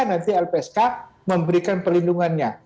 karena nanti lpsk memberikan perlindungannya